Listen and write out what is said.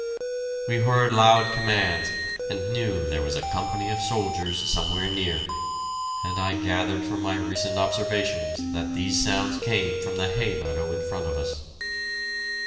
We heard loud commands, and knew there was a company of soldiers somewhere near, and I gathered from my recent observations that these sounds came from the hay meadow in front of us.